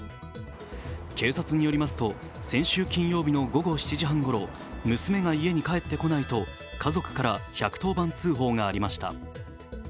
警察によりますと先週金曜日の午後７時半ごろ娘が家に帰ってこないと家族から１１０番通報がありました。